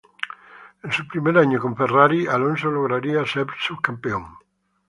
En su primer año con Ferrari, Alonso lograría ser subcampeón.